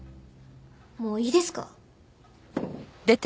もういいですか？